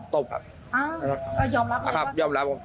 ตอนนั้นเราทำอะไรบ้าง